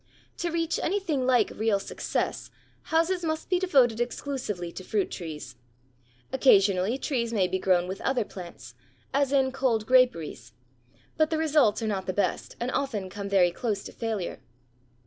To reach anything like real success, houses must be devoted exclusively to fruit trees. Occasionally trees may be grown with other plants, as in cold graperies, but the results are not the best and often come very close to failure.